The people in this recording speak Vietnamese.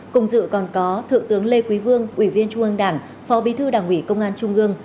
cùng dự còn có thượng tướng lê quý vương ủy viên trung ương đảng phó bí thư đảng ủy công an trung ương